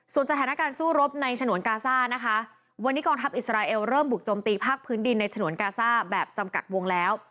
ส่วนสถานการณ์สู้รบในฉนวนกาซ่านะคะวันนี้กองทัพอิสราเอลเริ่มบุกจมตีภาคพื้นดินในฉนวนกาซ่าแบบจำกัดวงแล้ว